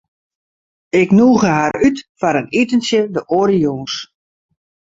Ik nûge har út foar in itentsje de oare jûns.